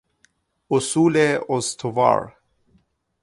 اصول استوار